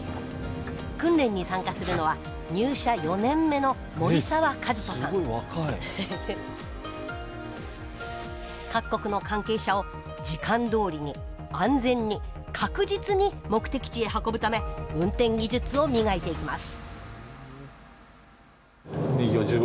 訓練に参加するのは各国の関係者を時間どおりに安全に確実に目的地へ運ぶため運転技術を磨いていきます